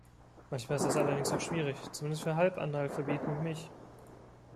Manchmal ist das allerdings auch schwierig, zumindest für Halbanalphabeten wie mich.